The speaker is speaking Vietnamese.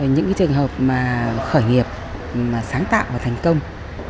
những trường hợp khởi nghiệp sáng tạo và thành công